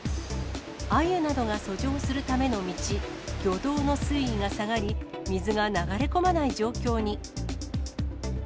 アユなどが遡上するための道、魚道の水位が下がり、水が流れ込まない状況に。